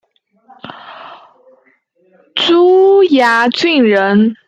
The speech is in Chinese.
珠崖郡人。